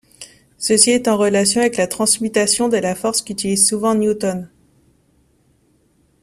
Ceci est en relation avec la transmutation de la force qu'utilise souvent Newton.